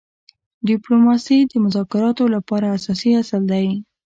ډيپلوماسي د مذاکراتو لپاره اساسي اصل دی.